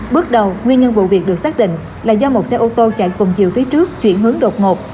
bước đầu nguyên nhân vụ việc được xác định là do một xe ô tô chạy cùng chiều phía trước chuyển hướng đột ngột